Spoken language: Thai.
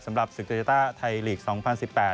สำหรับสุริยัตราไทยลีกส์๒๐๑๘